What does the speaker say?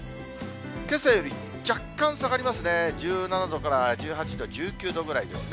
けさより若干下がりますね、１７度から１８度、１９度ぐらいですね。